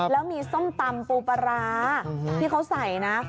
แล้วมีส้มตำปูปลาร้าที่เขาใส่นะ